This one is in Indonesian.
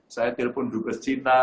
saya telepon dubes china